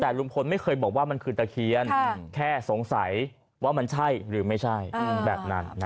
แต่ลุงพลไม่เคยบอกว่ามันคือตะเคียนแค่สงสัยว่ามันใช่หรือไม่ใช่แบบนั้น